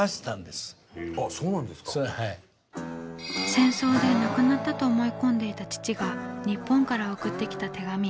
戦争で亡くなったと思い込んでいた父が日本から送ってきた手紙。